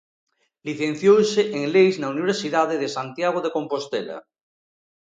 Licenciouse en Leis na Universidade de Santiago de Compostela.